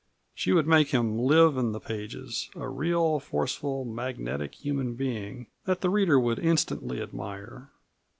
She would make him live in the pages; a real, forceful magnetic human being that the reader would instantly admire.